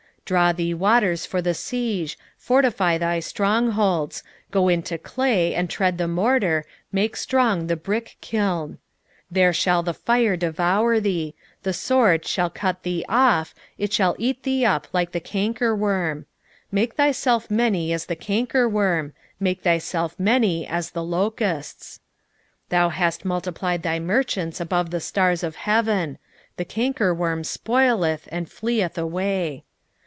3:14 Draw thee waters for the siege, fortify thy strong holds: go into clay, and tread the morter, make strong the brickkiln. 3:15 There shall the fire devour thee; the sword shall cut thee off, it shall eat thee up like the cankerworm: make thyself many as the cankerworm, make thyself many as the locusts. 3:16 Thou hast multiplied thy merchants above the stars of heaven: the cankerworm spoileth, and fleeth away.